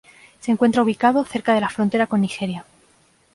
Se encuentra ubicado cerca de la frontera con Nigeria.